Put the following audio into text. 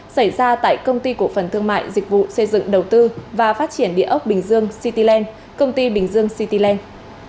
xảy ra tại công ty cổ phần thương mại dịch vụ xây dựng đầu tư và phát triển địa ốc bình dương cityland công ty bình dương cityland